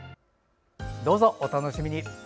どうぞ、お楽しみに。